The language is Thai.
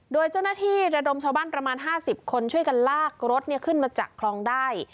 โดยเจ้าหน้าที่ระดมชาวบ้านประมาณ๕๐คนช่วยกันลากรถขึ้นมาจากคลองได้